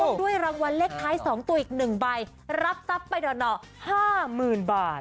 ด้วยรางวัลเลขท้าย๒ตัวอีก๑ใบรับทรัพย์ไปหน่อ๕๐๐๐บาท